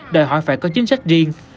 đòi hỏi phải có chính sách riêng